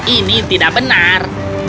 ini tidak benar